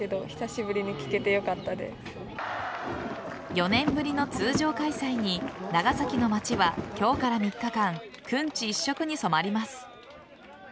４年ぶりの通常開催に長崎の街は今日から３日間くんち一色に染まります。